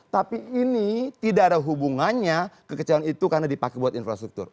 tapi ini tidak ada hubungannya kekecewaan itu karena dipakai buat infrastruktur